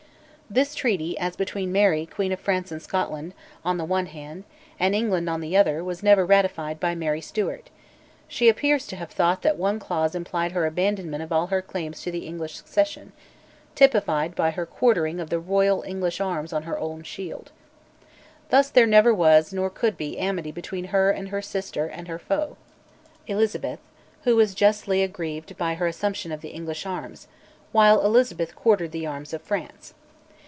This Treaty, as between Mary, Queen of France and Scotland, on one hand, and England on the other, was never ratified by Mary Stuart: she appears to have thought that one clause implied her abandonment of all her claims to the English succession, typified by her quartering of the Royal English arms on her own shield. Thus there never was nor could be amity between her and her sister and her foe, Elizabeth, who was justly aggrieved by her assumption of the English arms, while Elizabeth quartered the arms of France.